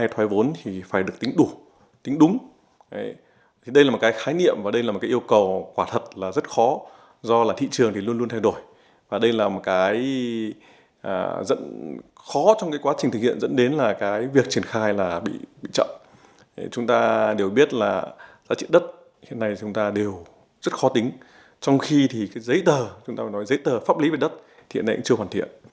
pháp lý về đất hiện nay cũng chưa hoàn thiện